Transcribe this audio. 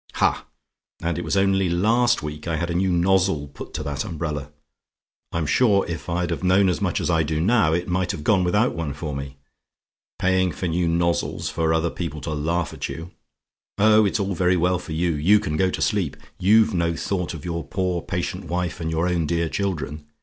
"Ha! and it was only last week I had a new nozzle put to that umbrella. I'm sure, if I'd have known as much as I do now, it might have gone without one for me. Paying for new nozzles, for other people to laugh at you. Oh, it's all very well for you you can go to sleep. You've no thought of your poor patient wife, and your own dear children.